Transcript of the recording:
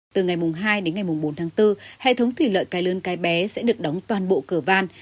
từ ngày hai đến ngày bốn tháng bốn hệ thống thủy lợi cái lớn cái bé sẽ được đóng toàn bộ cửa van